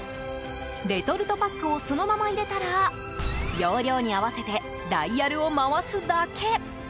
レトルトパックをそのまま入れたら容量に合わせてダイヤルを回すだけ。